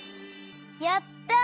やった！